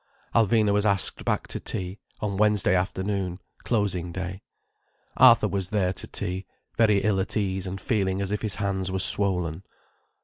Alvina was asked back to tea—on Wednesday afternoon, closing day. Arthur was there to tea—very ill at ease and feeling as if his hands were swollen.